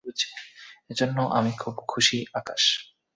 এজন্য আমি খুব খুশী আকাশ।